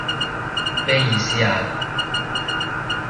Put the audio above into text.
咩意思啊？